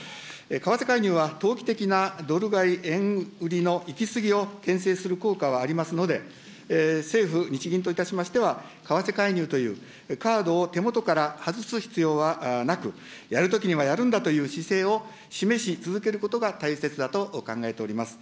為替介入は投機的なドル買い円売りの行き過ぎをけん制する効果はありますので、政府・日銀といたしましては、為替介入というカードを手元から外す必要はなく、やるときにはやるんだという姿勢を示し続けることが大切だと考えております。